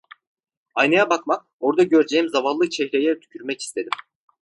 Aynaya bakmak, orada göreceğim zavallı çehreye tükürmek istedim.